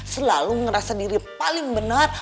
selalu merasa diri paling benar